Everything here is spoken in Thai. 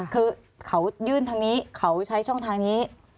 คือเขายื่นทางนี้เขาใช้ช่องทางนี้